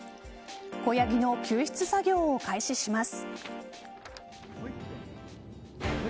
子ヤギの救出作業を開始します。